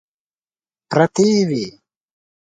پرتې وې.